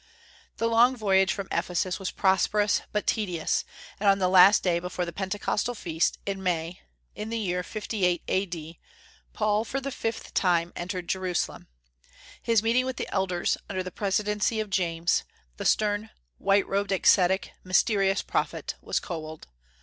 The long voyage from Ephesus was prosperous but tedious, and on the last day before the Pentecostal feast, in May, in the year 58 A.D., Paul for the fifth time entered Jerusalem. His meeting with the elders, under the presidency of James, "the stern, white robed, ascetic, mysterious prophet," was cold.